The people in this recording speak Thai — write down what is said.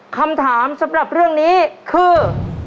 คำถามสำหรับเรื่องนี้คือ